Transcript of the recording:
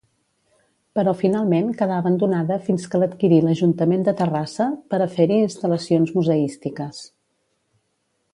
Però finalment quedà abandonada fins que l'adquirí l'Ajuntament de Terrassa per a fer-hi instal·lacions museístiques.